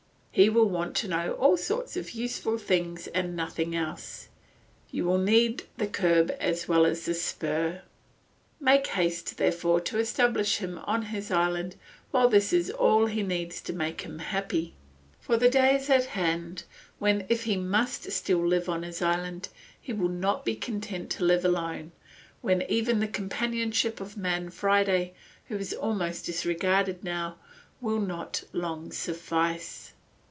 He will want to know all sorts of useful things and nothing else; you will need the curb as well as the spur. Make haste, therefore, to establish him on his island while this is all he needs to make him happy; for the day is at hand, when, if he must still live on his island, he will not be content to live alone, when even the companionship of Man Friday, who is almost disregarded now, will not long suffice.